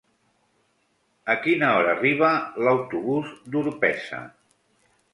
A quina hora arriba l'autobús d'Orpesa?